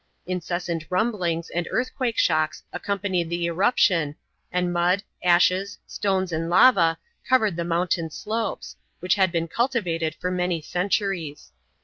Incessant rumblings and earthquake shocks accompanied the eruption, and mud, ashes, stones and lava covered the mountain slopes, which had been cultivated for many centuries.